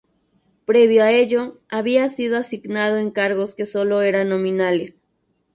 Previo a ello, había sido asignado en cargos que sólo eran nominales.